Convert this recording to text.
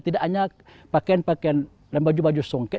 tidak hanya pakaian pakaian dan baju baju songket